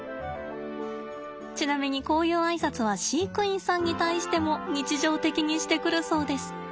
ちなみにこういうあいさつは飼育員さんに対しても日常的にしてくるそうです。